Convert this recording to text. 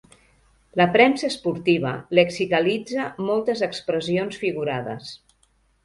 La premsa esportiva lexicalitza moltes expressions figurades.